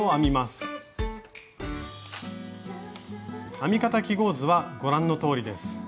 編み方記号図はご覧のとおりです。